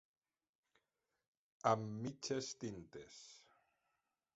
Amb mitges tintes.